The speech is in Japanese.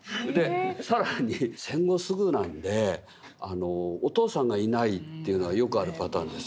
更に戦後すぐなんでお父さんがいないというのはよくあるパターンです。